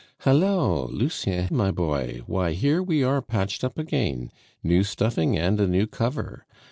"Hallo! Lucien, my boy, why here we are patched up again new stuffing and a new cover.